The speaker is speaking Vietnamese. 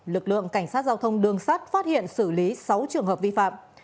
lực lượng cảnh sát giao thông đường sát phát hiện xử lý sáu trường hợp vi phạm